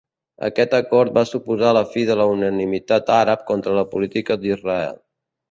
Aquest acord va suposar la fi de la unanimitat àrab contra la política d'Israel.